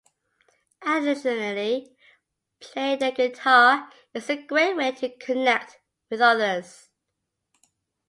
Additionally, playing the guitar is a great way to connect with others.